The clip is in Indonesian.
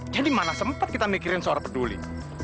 jadi mana sempat kita mikirin suara peduli